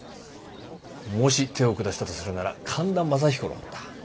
もし手を下したとするなら神田正彦の方だ。